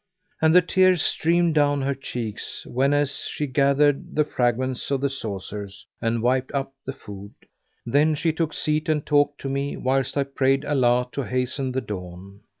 And the tears streamed down her cheeks whenas she gathered the fragments of the saucers and wiped up the food; then she took seat and talked to me, whilst I prayed Allah to hasten the dawn.